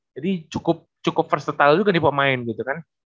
jadi cukup versatile juga di pemain gitu kan